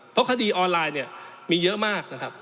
เพราะคดีออนไลน์เนี่ยมีเยอะมากนะครับ